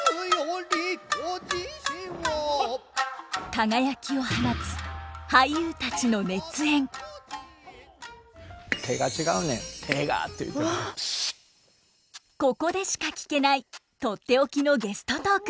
輝きを放つここでしか聞けないとっておきのゲストトーク。